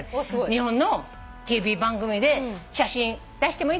「日本のＴＶ番組で写真出してもいいですか？」